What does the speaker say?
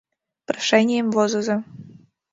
Прошенийым возыза.